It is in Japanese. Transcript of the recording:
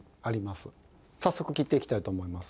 早速切っていきたいと思います。